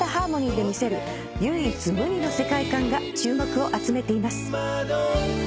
［唯一無二の世界観が注目を集めています］